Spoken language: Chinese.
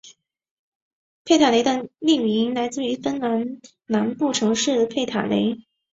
坦佩雷的命名来自于芬兰南部城市坦佩雷。